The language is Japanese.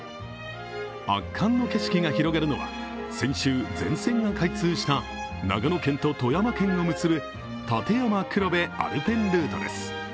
圧巻の景色が広がるのは先週、全線が開通した長野県と富山県を結ぶ立山黒部アルペンルートです。